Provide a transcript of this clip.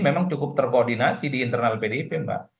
memang cukup terkoordinasi di internal pdip mbak